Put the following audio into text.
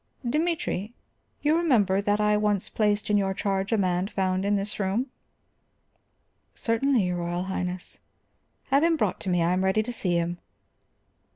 "Dimitri, you remember that I once placed in your charge a man found in this room?" "Certainly, your Royal Highness." "Have him brought to me; I am ready to see him."